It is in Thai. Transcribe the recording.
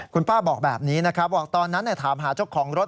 คุณป้าบอกแบบนี้นะครับบอกตอนนั้นถามหาเจ้าของรถ